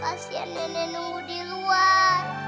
pasti ya nenek nunggu di luar